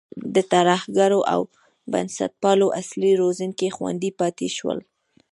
د ترهګرو او بنسټپالو اصلي روزونکي خوندي پاتې شول.